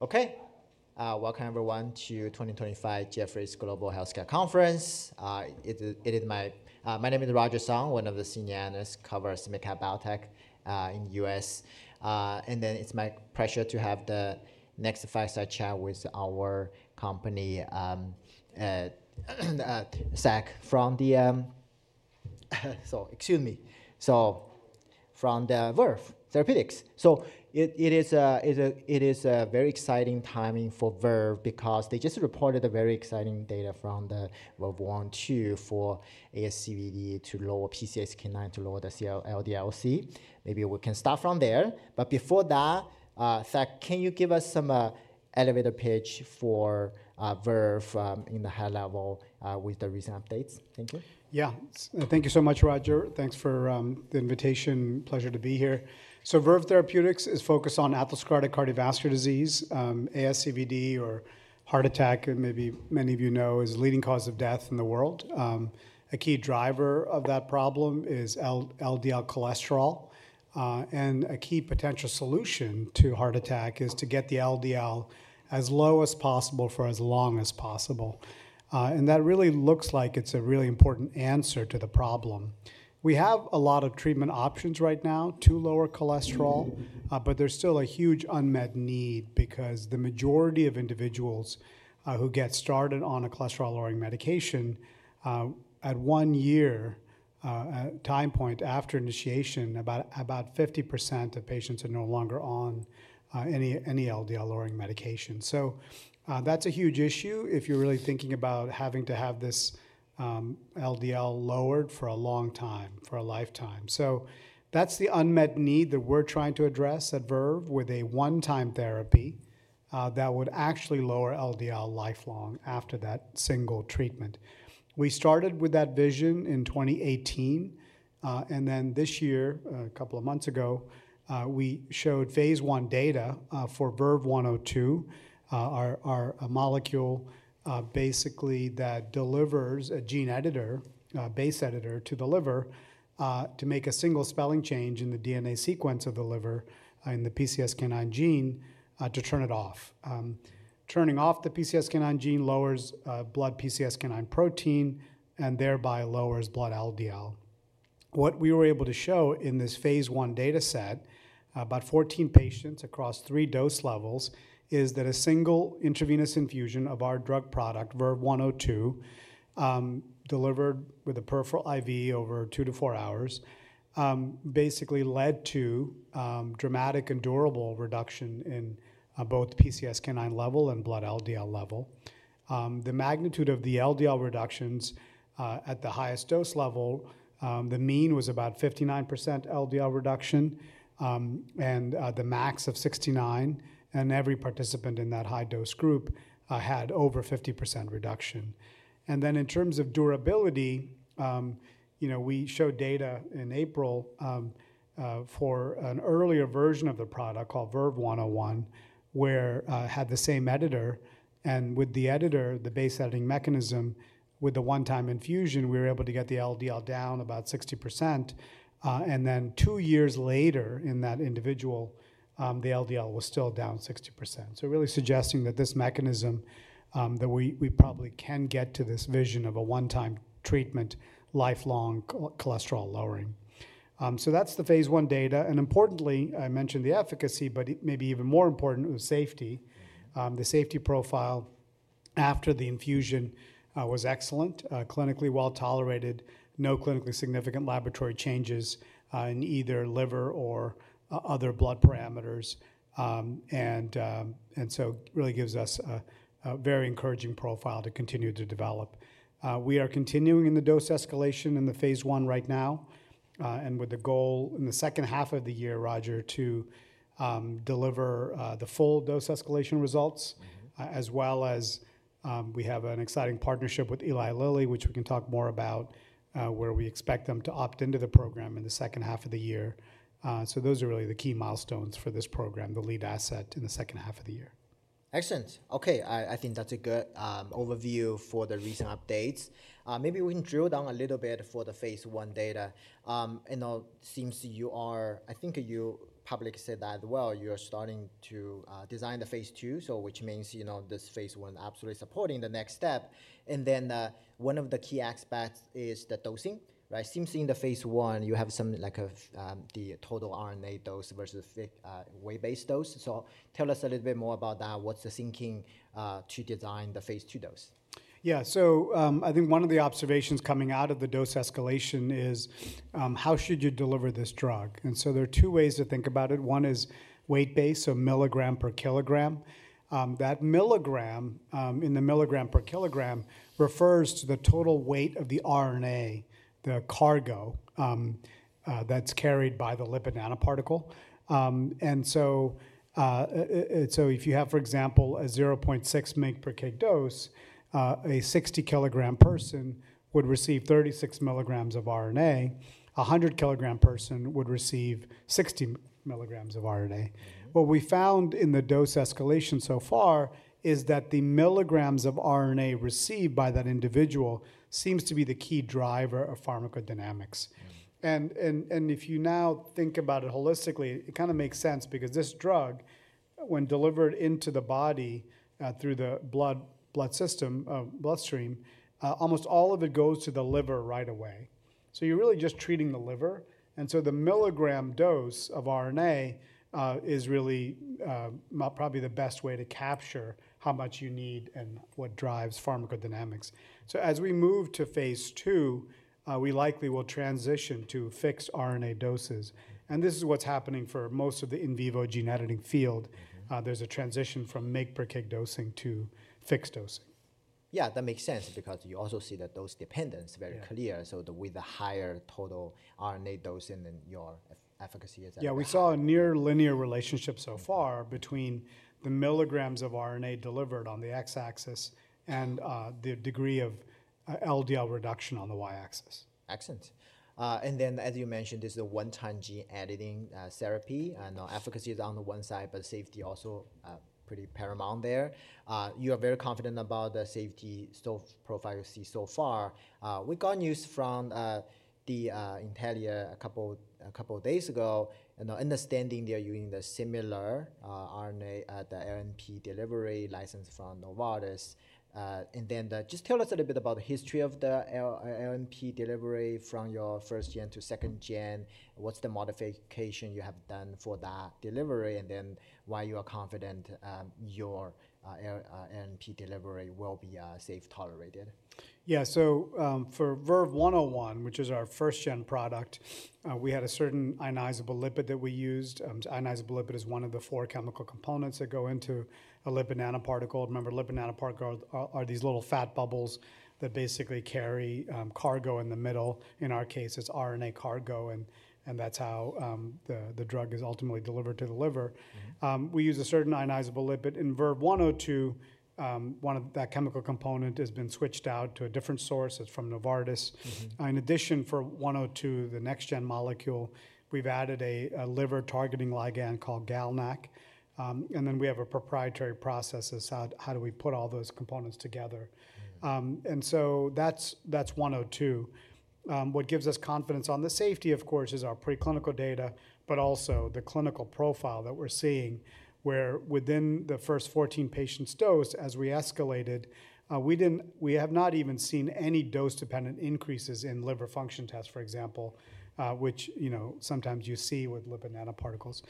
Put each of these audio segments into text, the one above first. Okay. Welcome everyone to the 2025 Jefferies Global Healthcare Conference. My name is Roger Song, one of the senior analysts covering MedTech Biotech in the U.S. It is my pleasure to have the next five-star chat with our company, Sek from Verve Therapeutics. It is a very exciting timing for Verve because they just reported very exciting data from the VERVE-102 for ASCVD to lower PCSK9 to lower the LDL-C. Maybe we can start from there. Before that, Sek, can you give us some elevator pitch for Verve at a high level with the recent updates? Thank you. Yeah. Thank you so much, Roger. Thanks for the invitation. Pleasure to be here. Verve Therapeutics is focused on atherosclerotic cardiovascular disease, ASCVD or heart attack, and maybe many of you know, is the leading cause of death in the world. A key driver of that problem is LDL cholesterol, and a key potential solution to heart attack is to get the LDL as low as possible for as long as possible. That really looks like it's a really important answer to the problem. We have a lot of treatment options right now to lower cholesterol, but there's still a huge unmet need because the majority of individuals who get started on a cholesterol-lowering medication, at one year time point after initiation, about 50% of patients are no longer on any LDL-lowering medication. That's a huge issue if you're really thinking about having to have this LDL lowered for a long time, for a lifetime. That's the unmet need that we're trying to address at Verve with a one-time therapy that would actually lower LDL lifelong after that single treatment. We started with that vision in 2018, and then this year, a couple of months ago, we showed phase I data for VERVE-102, our molecule that delivers a gene editor, base editor to the liver, to make a single spelling change in the DNA sequence of the liver in the PCSK9 gene, to turn it off. Turning off the PCSK9 gene lowers blood PCSK9 protein and thereby lowers blood LDL. What we were able to show in this phase one data set, about 14 patients across three dose levels, is that a single intravenous infusion of our drug product, VERVE-102, delivered with a peripheral IV over two to four hours, basically led to dramatic and durable reduction in both PCSK9 level and blood LDL-C level. The magnitude of the LDL-C reductions, at the highest dose level, the mean was about 59% LDL-C reduction, and the max of 69%, and every participant in that high dose group had over 50% reduction. In terms of durability, you know, we showed data in April for an earlier version of the product called VERVE-101, where it had the same editor, and with the editor, the base editing mechanism, with the one-time infusion, we were able to get the LDL-C down about 60%. And then two years later in that individual, the LDL was still down 60%. Really suggesting that this mechanism, that we probably can get to this vision of a one-time treatment, lifelong cholesterol lowering. That is the phase one data. Importantly, I mentioned the efficacy, but maybe even more important was safety. The safety profile after the infusion was excellent, clinically well tolerated, no clinically significant laboratory changes in either liver or other blood parameters. Really gives us a very encouraging profile to continue to develop. We are continuing in the dose escalation in the phase one right now, and with the goal in the second half of the year, Roger, to deliver the full dose escalation results, as well as, we have an exciting partnership with Eli Lilly, which we can talk more about, where we expect them to opt into the program in the second half of the year. Those are really the key milestones for this program, the lead asset in the second half of the year. Excellent. Okay. I think that's a good overview for the recent updates. Maybe we can drill down a little bit for the phase I data. You know, seems you are, I think you publicly said that as well, you are starting to design the phase II, so which means, you know, this phase I absolutely supporting the next step. And then, one of the key aspects is the dosing, right? Seems in the phase I, you have some like a, the total RNA dose versus the weight-based dose. So tell us a little bit more about that. What's the thinking, to design the phase II dose? Yeah. I think one of the observations coming out of the dose escalation is, how should you deliver this drug? There are two ways to think about it. One is weight-based, so milligram per kilogram. That milligram, in the milligram per kilogram, refers to the total weight of the RNA, the cargo, that's carried by the lipid nanoparticle. If you have, for example, a 0.6 mg per kg dose, a 60 kilogram person would receive 36 milligrams of RNA. A 100 kilogram person would receive 60 milligrams of RNA. What we found in the dose escalation so far is that the milligrams of RNA received by that individual seems to be the key driver of pharmacodynamics. If you now think about it holistically, it kind of makes sense because this drug, when delivered into the body, through the bloodstream, almost all of it goes to the liver right away. You are really just treating the liver. The milligram dose of RNA is really probably the best way to capture how much you need and what drives pharmacodynamics. As we move to phase two, we likely will transition to fixed RNA doses. This is what is happening for most of the in vivo gene editing field. There is a transition from mg per kg dosing to fixed dosing. Yeah, that makes sense because you also see that dose dependence very clear. With a higher total RNA dose, and then your efficacy is at. Yeah, we saw a near linear relationship so far between the milligrams of RNA delivered on the X axis and, the degree of, LDL-C reduction on the Y axis. Excellent. And then as you mentioned, this is a one-time gene editing therapy. I know efficacy is on the one side, but safety also, pretty paramount there. You are very confident about the safety profile you see so far. We got news from Intellia a couple of days ago, you know, understanding they're using the similar RNA at the LNP delivery license from Novartis. And then just tell us a little bit about the history of the LNP delivery from your first gen to second gen. What's the modification you have done for that delivery? And then why you are confident your LNP delivery will be safe, tolerated? Yeah. For VERVE-101, which is our first-gen product, we had a certain ionizable lipid that we used. Ionizable lipid is one of the four chemical components that go into a lipid nanoparticle. Remember, lipid nanoparticles are these little fat bubbles that basically carry cargo in the middle. In our case, it's RNA cargo. That's how the drug is ultimately delivered to the liver. We use a certain ionizable lipid in VERVE-102. One of that chemical component has been switched out to a different source. It's from Novartis. In addition, for 102, the next-gen molecule, we've added a liver-targeting ligand called GalNAc. We have a proprietary process of how we put all those components together. That's 102. What gives us confidence on the safety, of course, is our preclinical data, but also the clinical profile that we're seeing where within the first 14 patients dosed, as we escalated, we have not even seen any dose-dependent increases in liver function tests, for example, which, you know, sometimes you see with lipid nanoparticles.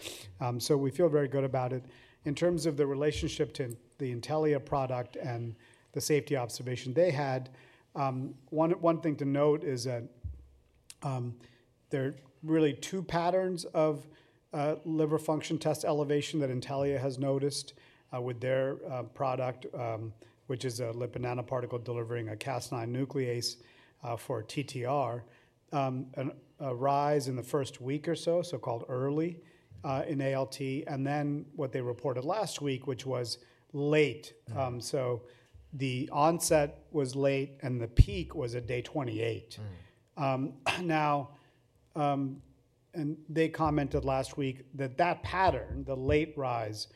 We feel very good about it. In terms of the relationship to the Intellia product and the safety observation they had, one thing to note is that there are really two patterns of liver function test elevation that Intellia has noticed with their product, which is a lipid nanoparticle delivering a Cas9 nuclease for TTR: a rise in the first week or so, so-called early, in ALT. Then what they reported last week, which was late. The onset was late and the peak was at day 28. Now, and they commented last week that that pattern, the late rise,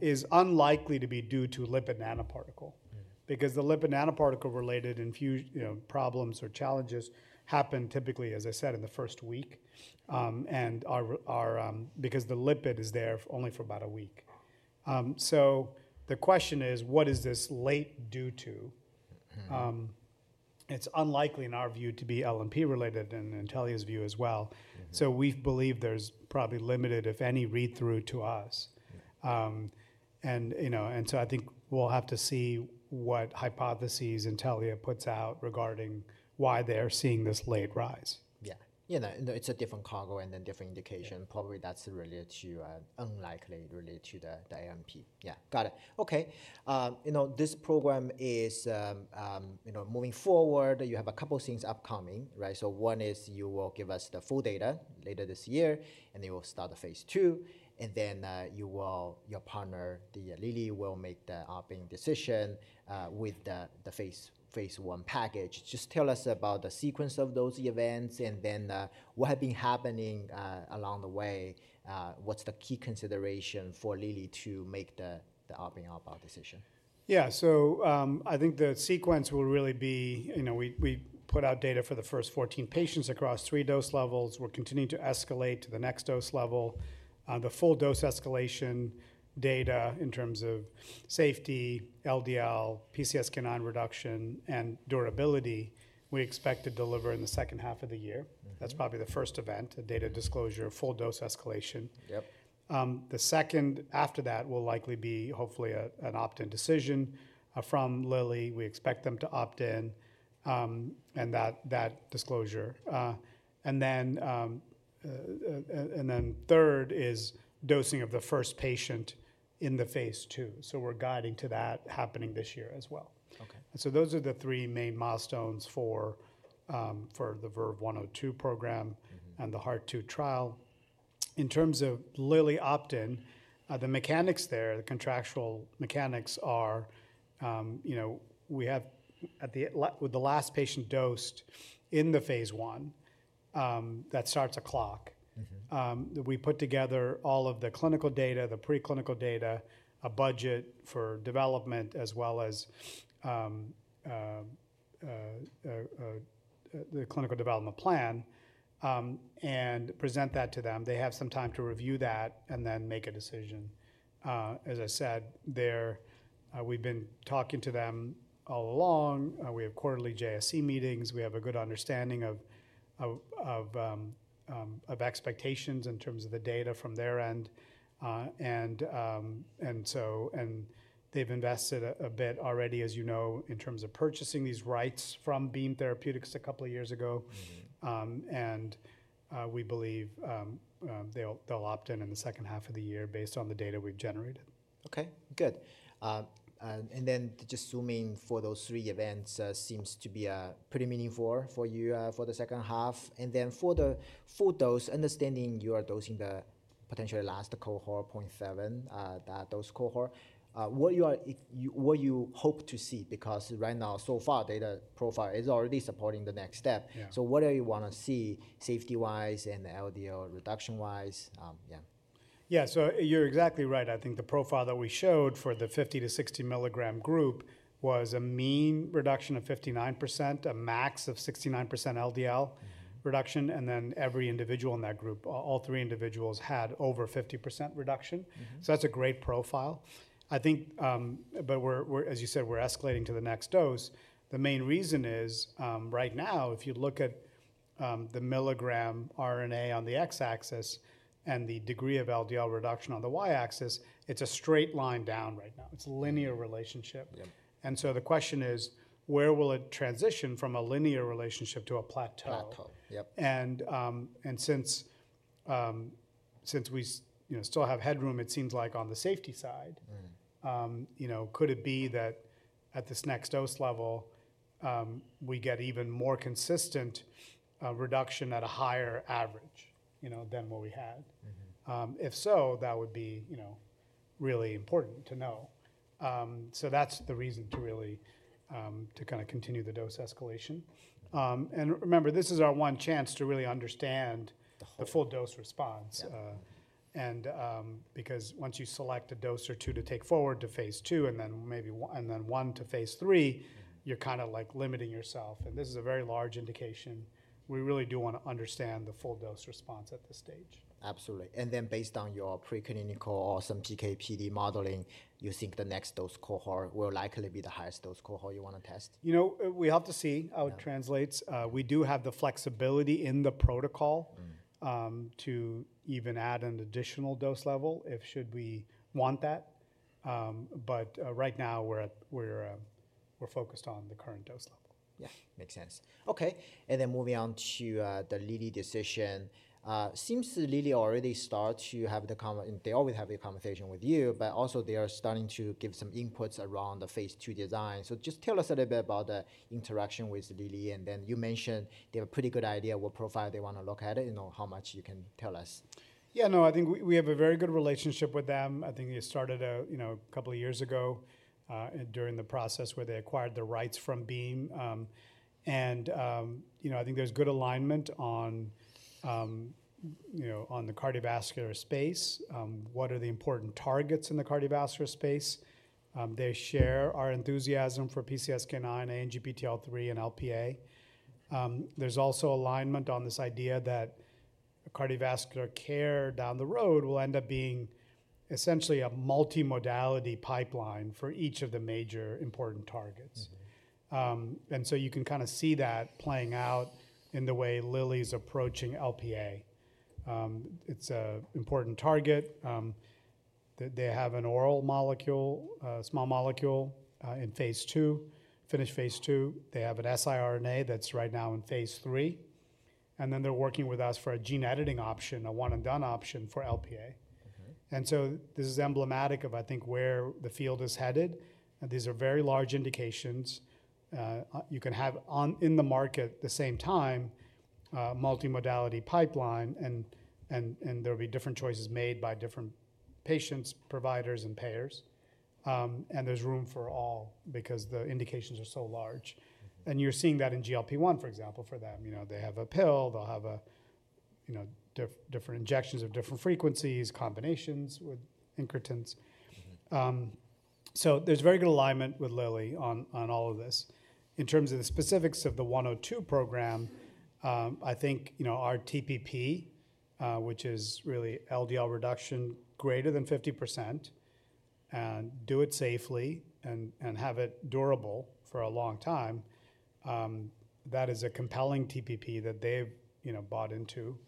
is unlikely to be due to lipid nanoparticle because the lipid nanoparticle related infusion, you know, problems or challenges happen typically, as I said, in the first week. And our, our, because the lipid is there only for about a week. The question is, what is this late due to? It's unlikely in our view to be LNP related and Intellia's view as well. We believe there's probably limited, if any, read-through to us. And, you know, I think we'll have to see what hypotheses Intellia puts out regarding why they're seeing this late rise. Yeah. Yeah. No, it's a different cargo and then different indication. Probably that's related to, unlikely related to the, the AMP. Yeah. Got it. Okay. You know, this program is, you know, moving forward, you have a couple of things upcoming, right? One is you will give us the full data later this year and then you'll start the phase two. Then you will, your partner, Lilly, will make the uping decision with the phase one package. Just tell us about the sequence of those events and then what has been happening along the way. What's the key consideration for Lilly to make the uping up our decision? Yeah. I think the sequence will really be, you know, we put out data for the first 14 patients across three dose levels. We're continuing to escalate to the next dose level. The full dose escalation data in terms of safety, LDL, PCSK9 reduction, and durability, we expect to deliver in the second half of the year. That's probably the first event, a data disclosure, full dose escalation. Yep. The second after that will likely be, hopefully, an opt-in decision from Lilly. We expect them to opt in, and that disclosure. And then, third is dosing of the first patient in the phase two. We're guiding to that happening this year as well. Okay. Those are the three main milestones for the Verve 102 program and the HEART-2 trial. In terms of Lilly opt-in, the mechanics there, the contractual mechanics are, you know, we have at the, with the last patient dosed in the phase one, that starts a clock. We put together all of the clinical data, the preclinical data, a budget for development, as well as the clinical development plan, and present that to them. They have some time to review that and then make a decision. As I said, we've been talking to them all along. We have quarterly JSC meetings. We have a good understanding of expectations in terms of the data from their end, and they've invested a bit already, as you know, in terms of purchasing these rights from Beam Therapeutics a couple of years ago. We believe they'll opt in in the second half of the year based on the data we've generated. Okay. Good. And then just zooming for those three events, seems to be pretty meaningful for you, for the second half. And then for those understanding you are dosing the potentially last cohort, 0.7, that dose cohort, what you are, what you hope to see, because right now, so far, data profile is already supporting the next step. So what do you want to see safety-wise and LDL-C reduction-wise? Yeah. Yeah. So you're exactly right. I think the profile that we showed for the 50-60 milligram group was a mean reduction of 59%, a max of 69% LDL reduction. And then every individual in that group, all three individuals had over 50% reduction. So that's a great profile. I think, but we're, as you said, we're escalating to the next dose. The main reason is, right now, if you look at the milligram RNA on the X axis and the degree of LDL reduction on the Y axis, it's a straight line down right now. It's a linear relationship. And so the question is, where will it transition from a linear relationship to a plateau? Yep. And since we, you know, still have headroom, it seems like on the safety side, you know, could it be that at this next dose level, we get even more consistent reduction at a higher average, you know, than what we had? If so, that would be, you know, really important to know. That is the reason to really, to kind of continue the dose escalation. And remember, this is our one chance to really understand the full dose response. Because once you select a dose or two to take forward to phase two and then maybe one, and then one to phase three, you are kind of like limiting yourself. This is a very large indication. We really do want to understand the full dose response at this stage. Absolutely. And then based on your preclinical or some GKPD modeling, you think the next dose cohort will likely be the highest dose cohort you want to test? You know, we have to see how it translates. We do have the flexibility in the protocol to even add an additional dose level if we should want that. Right now, we're focused on the current dose level. Yeah. Makes sense. Okay. Moving on to the Lilly decision, seems Lilly already started to have the con, they always have the conversation with you, but also they are starting to give some inputs around the phase two design. Just tell us a little bit about the interaction with Lilly. You mentioned they have a pretty good idea of what profile they want to look at, you know, how much you can tell us. Yeah. No, I think we have a very good relationship with them. I think they started a couple of years ago, during the process where they acquired the rights from Beam. And, you know, I think there's good alignment on, you know, on the cardiovascular space. What are the important targets in the cardiovascular space? They share our enthusiasm for PCSK9, ANGPTL3, and LPA. There's also alignment on this idea that cardiovascular care down the road will end up being essentially a multi-modality pipeline for each of the major important targets. You can kind of see that playing out in the way Lilly's approaching LPA. It's an important target. They have an oral molecule, small molecule, in phase two, finished phase two. They have an siRNA that's right now in phase three. They are working with us for a gene editing option, a one-and-done option for LPA. This is emblematic of, I think, where the field is headed. These are very large indications. You can have on in the market at the same time, multi-modality pipeline, and there will be different choices made by different patients, providers, and payers. There is room for all because the indications are so large. You are seeing that in GLP-1, for example. For them, they have a pill, they will have different injections of different frequencies, combinations with incretins. There is very good alignment with Lilly on all of this. In terms of the specifics of the 102 program, I think our TPP, which is really LDL-C reduction greater than 50% and do it safely and have it durable for a long time. That is a compelling TPP that they've, you know, bought into.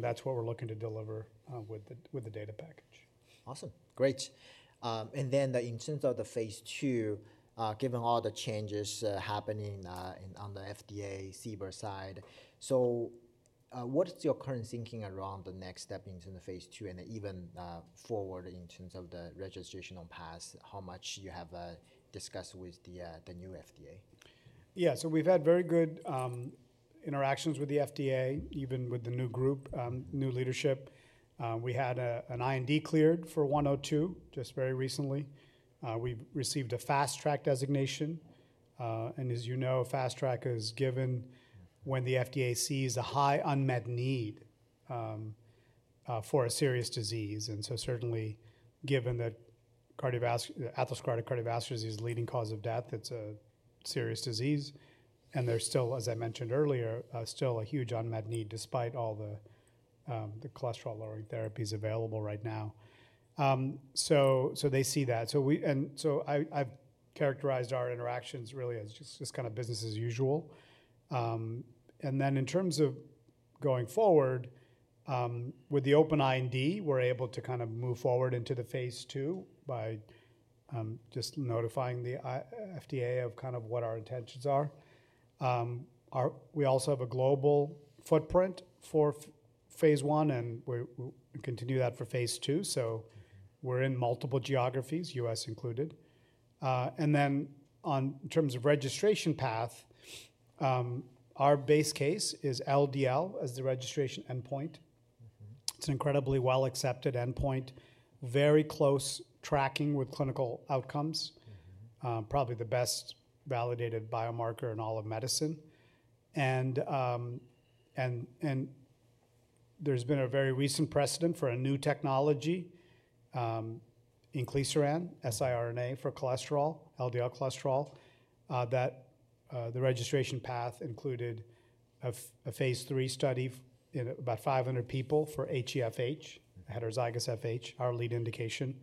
That's what we're looking to deliver, with the, with the data package. Awesome. Great. And then in terms of the phase two, given all the changes happening in, on the FDA CBR side, what's your current thinking around the next step into the phase two and even forward in terms of the registration on pass, how much you have discussed with the new FDA? Yeah. So we've had very good interactions with the FDA, even with the new group, new leadership. We had an IND cleared for 102 just very recently. We received a fast track designation. As you know, fast track is given when the FDA sees a high unmet need for a serious disease. Certainly, given that atherosclerotic cardiovascular disease is the leading cause of death, it's a serious disease. There's still, as I mentioned earlier, still a huge unmet need despite all the cholesterol lowering therapies available right now. They see that. I've characterized our interactions really as just kind of business as usual. And then in terms of going forward, with the open IND, we're able to kind of move forward into the phase two by just notifying the FDA of kind of what our intentions are. We also have a global footprint for phase one and we'll continue that for phase two. We are in multiple geographies, U.S. included. In terms of registration path, our base case is LDL as the registration endpoint. It's an incredibly well accepted endpoint, very close tracking with clinical outcomes, probably the best validated biomarker in all of medicine. There's been a very recent precedent for a new technology, inclisiran siRNA for cholesterol, LDL cholesterol, that the registration path included a phase three study in about 500 people for HeFH, heterozygous FH, our lead indication,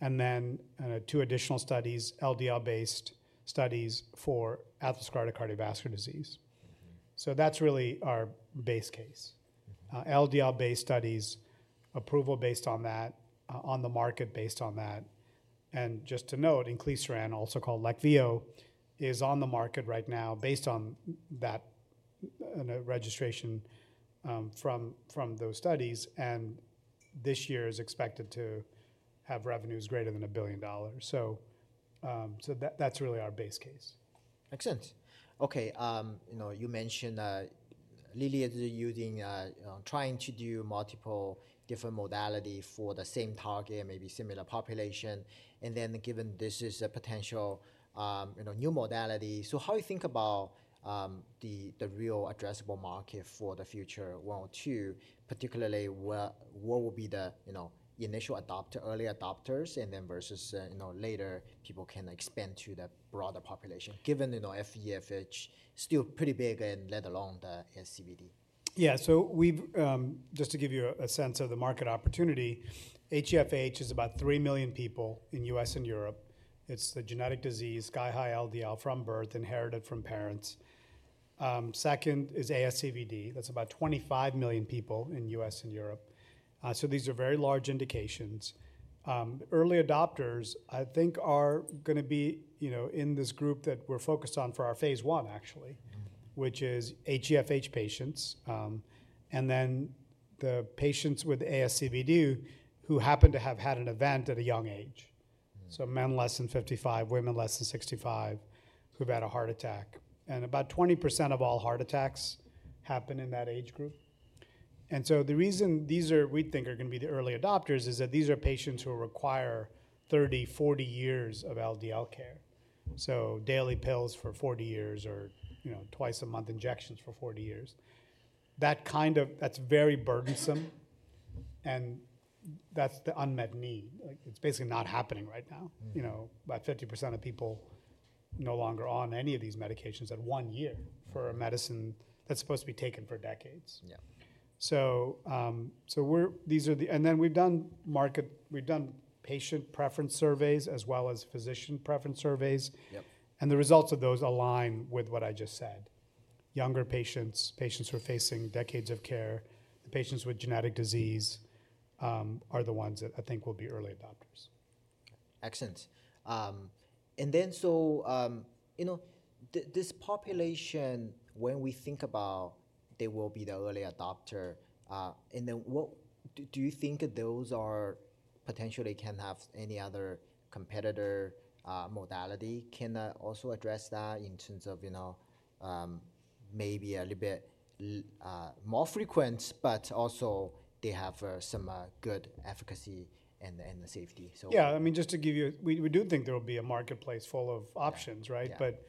and then two additional studies, LDL-based studies for atherosclerotic cardiovascular disease. That's really our base case. LDL-based studies, approval based on that, on the market based on that. Just to note, Inclisiran, also called Leqvio, is on the market right now based on that registration from those studies. This year is expected to have revenues greater than $1 billion. That's really our base case. Makes sense. Okay. You know, you mentioned, Lilly is using, trying to do multiple different modalities for the same target, maybe similar population. And then given this is a potential, you know, new modality. How do you think about the real addressable market for the future one or two, particularly where will be the, you know, initial adopter, early adopters, and then versus, you know, later people can expand to the broader population given, you know, HeFH still pretty big and let alone the ASCVD? Yeah. So we've, just to give you a sense of the market opportunity, HeFH is about 3 million people in the U.S. and Europe. It's the genetic disease, sky-high LDL-C from birth inherited from parents. Second is ASCVD. That's about 25 million people in the U.S. and Europe. So these are very large indications. Early adopters, I think, are going to be, you know, in this group that we're focused on for our phase one, actually, which is HeFH patients. And then the patients with ASCVD who happen to have had an event at a young age. So men less than 55, women less than 65 who've had a heart attack. And about 20% of all heart attacks happen in that age group. And so the reason these are, we think are going to be the early adopters is that these are patients who require 30-40 years of LDL-C care. Daily pills for 40 years or, you know, twice a month injections for 40 years. That is very burdensome. That is the unmet need. Like, it is basically not happening right now. You know, about 50% of people are no longer on any of these medications at one year for a medicine that is supposed to be taken for decades. Yeah. We have done market, we have done patient preference surveys as well as physician preference surveys. Yep. The results of those align with what I just said. Younger patients, patients who are facing decades of care, the patients with genetic disease, are the ones that I think will be early adopters. Excellent. And then, so, you know, this population, when we think about they will be the early adopter, and then what do you think those are potentially can have any other competitor, modality? Can I also address that in terms of, you know, maybe a little bit, more frequent, but also they have some good efficacy and, and the safety? Yeah. I mean, just to give you, we do think there will be a marketplace full of options, right? But,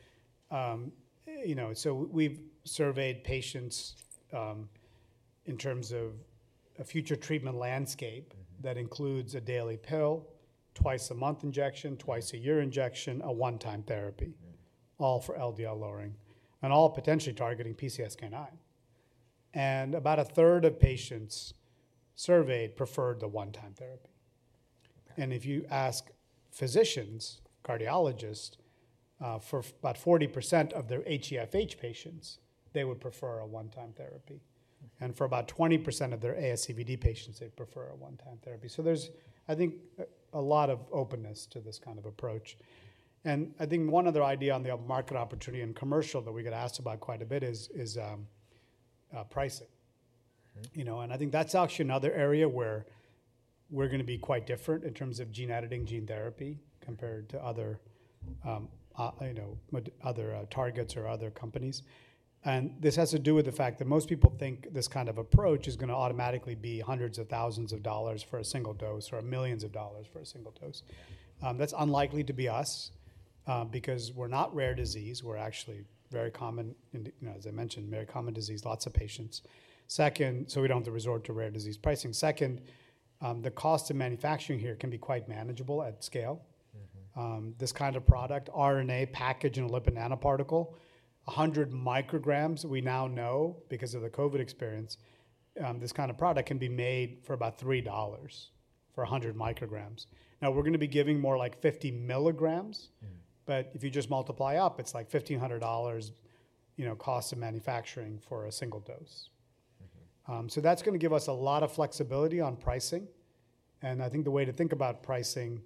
you know, we've surveyed patients, in terms of a future treatment landscape that includes a daily pill, twice a month injection, twice a year injection, a one-time therapy, all for LDL lowering and all potentially targeting PCSK9. About a third of patients surveyed preferred the one-time therapy. If you ask physicians, cardiologists, for about 40% of their HeFH patients, they would prefer a one-time therapy. For about 20% of their ASCVD patients, they'd prefer a one-time therapy. There's, I think, a lot of openness to this kind of approach. I think one other idea on the market opportunity and commercial that we get asked about quite a bit is pricing, you know, and I think that's actually another area where we're going to be quite different in terms of gene editing, gene therapy compared to other, you know, other targets or other companies. This has to do with the fact that most people think this kind of approach is going to automatically be hundreds of thousands of dollars for a single dose or millions of dollars for a single dose. That's unlikely to be us, because we're not rare disease. We're actually very common in, you know, as I mentioned, very common disease, lots of patients. Second, we don't have to resort to rare disease pricing. Second, the cost of manufacturing here can be quite manageable at scale. This kind of product, RNA packaged in a lipid nanoparticle, 100 micrograms, we now know because of the COVID experience, this kind of product can be made for about $3 for 100 micrograms. Now we're going to be giving more like 50 milligrams, but if you just multiply up, it's like $1,500, you know, cost of manufacturing for a single dose. That is going to give us a lot of flexibility on pricing. I think the way to think about pricing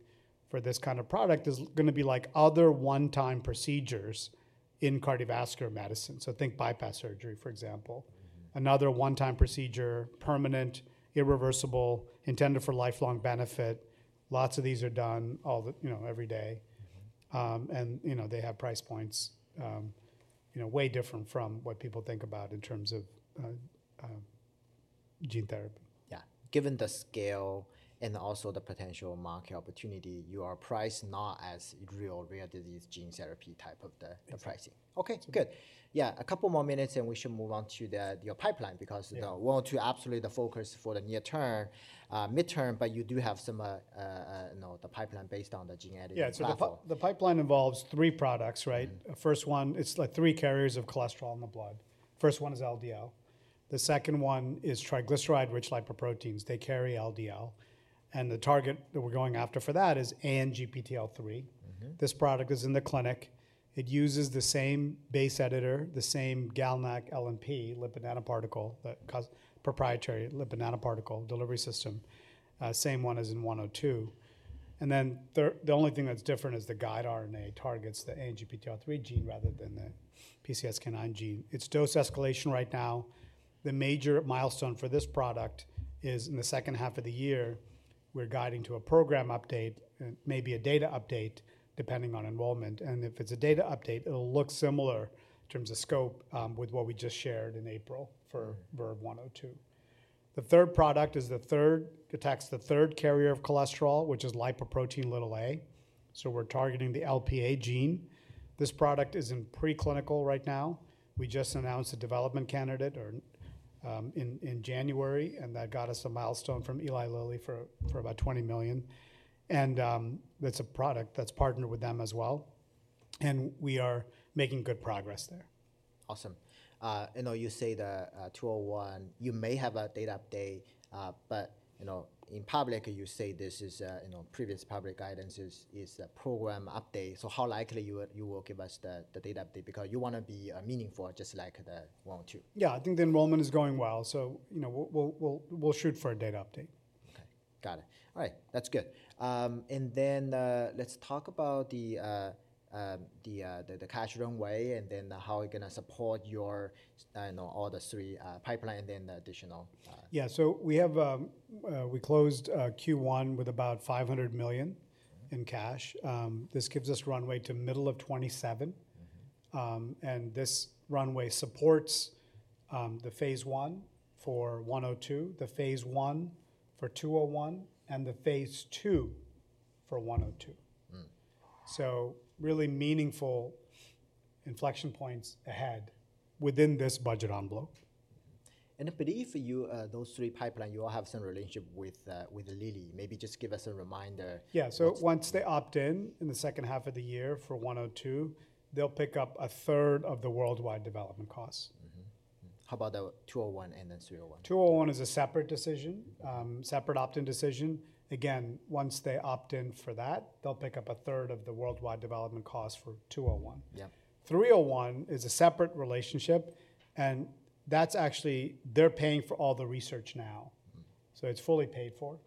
for this kind of product is going to be like other one-time procedures in cardiovascular medicine. Think bypass surgery, for example, another one-time procedure, permanent, irreversible, intended for lifelong benefit. Lots of these are done every day. You know, they have price points way different from what people think about in terms of gene therapy. Yeah. Given the scale and also the potential market opportunity, you are priced not as real rare disease gene therapy type of the pricing. Okay. Good. Yeah. A couple more minutes and we should move on to your pipeline because the one or two absolutely the focus for the near term, midterm, but you do have some, you know, the pipeline based on the gene editing. Yeah. The pipeline involves three products, right? The first one, it's like three carriers of cholesterol in the blood. First one is LDL. The second one is triglyceride-rich lipoproteins. They carry LDL. The target that we're going after for that is ANGPTL3. This product is in the clinic. It uses the same base editor, the same GalNAc LNP lipid nanoparticle that is our proprietary lipid nanoparticle delivery system, same one as in 102. The only thing that's different is the guide RNA targets the ANGPTL3 gene rather than the PCSK9 gene. It's dose escalation right now. The major milestone for this product is in the second half of the year. We're guiding to a program update and maybe a data update depending on enrollment. If it's a data update, it'll look similar in terms of scope with what we just shared in April for Verve 102. The third product is the third, it attacks the third carrier of cholesterol, which is lipoprotein(a). We're targeting the LPA gene. This product is in preclinical right now. We just announced a development candidate in January, and that got us a milestone from Eli Lilly for about $20 million. That's a product that's partnered with them as well. We are making good progress there. Awesome. You know, you say the 201, you may have a data update, but you know, in public, you say this is, you know, previous public guidance is a program update. How likely you would, you will give us the data update because you want to be meaningful just like the one or two. Yeah. I think the enrollment is going well. You know, we'll shoot for a data update. Okay. Got it. All right. That's good. And then, let's talk about the cash runway and then how are you going to support your, you know, all the three pipeline and then the additional. Yeah. So we have, we closed Q1 with about $500 million in cash. This gives us runway to middle of 2027. This runway supports the phase one for 102, the phase one for 201, and the phase two for 102. Really meaningful inflection points ahead within this budget envelope. I believe for you, those three pipelines, you all have some relationship with Lilly, maybe just give us a reminder. Yeah. So once they opt in in the second half of the year for 102, they'll pick up a third of the worldwide development costs. How about the 201 and then 301? 201 is a separate decision, separate opt-in decision. Again, once they opt in for that, they'll pick up a third of the worldwide development costs for 201. 301 is a separate relationship. That's actually they're paying for all the research now, so it's fully paid for.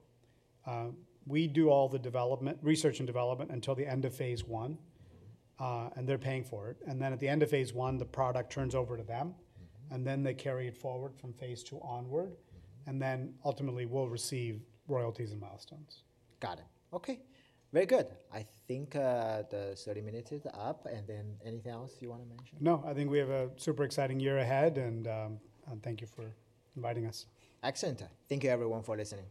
We do all the development research and development until the end of phase one, and they're paying for it. At the end of phase one, the product turns over to them. They carry it forward from phase two onward. Ultimately we'll receive royalties and milestones. Got it. Okay. Very good. I think the 30 minutes is up. Anything else you want to mention? No, I think we have a super exciting year ahead. Thank you for inviting us. Excellent. Thank you everyone for listening.